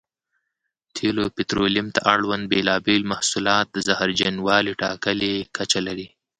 تېلو او پټرولیم ته اړوند بېلابېل محصولات د زهرجنوالي ټاکلې کچه لري.